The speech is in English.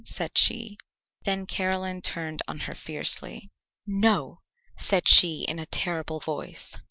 said she. Then Caroline turned on her fiercely. "No," said she in a terrible voice.